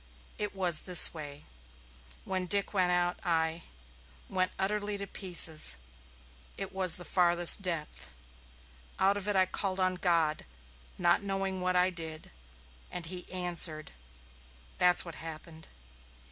It was this way. When Dick went out I went utterly to pieces. It was the farthest depth. Out of it I called on God, not knowing what I did. And he answered. That's what happened.